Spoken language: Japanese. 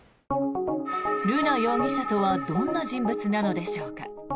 瑠奈容疑者とはどんな人物なのでしょうか。